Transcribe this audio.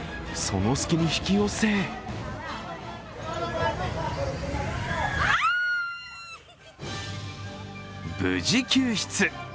その隙に引き寄せ無事、救出。